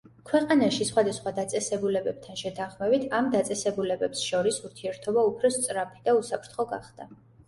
ქვეყანაში სხვადასხვა დაწესებულებებთან შეთანხმებით, ამ დაწესებულებებს შორის ურთიერთობა უფრო სწრაფი და უსაფრთხო გახდა.